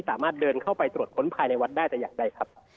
สามารถเดินเข้าไปตรวจค้นภายในวัดได้แต่อย่างใดครับ